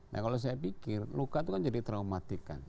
nah kalau saya pikir luka itu kan jadi traumatik kan